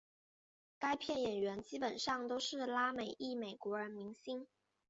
该片演员基本上都是拉美裔美国人明星。